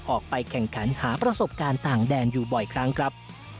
ออกไปแข่งขันหาประสบการณ์ต่างแดนอยู่บ่อยครั้งครับ